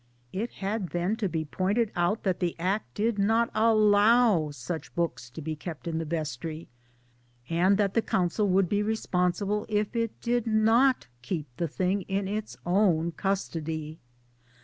It had then to be pointed out that the Act did not allow such books to be kept in the Vestry, and that the Council would be responsible if it did not keep the thing in 'its own custody.